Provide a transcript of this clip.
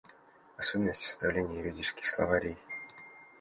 Особенности составления юридических словарей.